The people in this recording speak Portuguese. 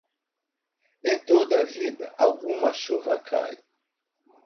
Em toda vida, alguma chuva cai.